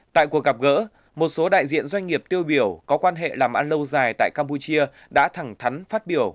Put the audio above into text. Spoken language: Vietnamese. tại cuộc gặp gỡ một số đại diện doanh nghiệp tiêu biểu có quan hệ làm ăn lâu dài tại campuchia đã thẳng thắn phát biểu